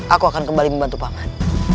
aku akan kembali membantu paman